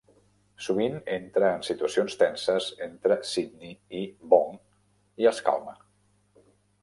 Sovint entra en situacions tenses entre Sydney i Vaughn i els calma.